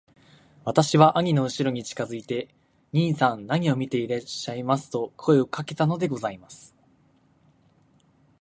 私は兄のうしろに近づいて『兄さん何を見ていらっしゃいます』と声をかけたのでございます。